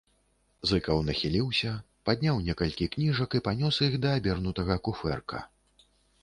Зыкаў нахіліўся, падняў некалькі кніжак і панёс іх да абернутага куфэрка.